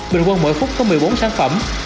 bình quân mỗi phút có một mươi bốn sản phẩm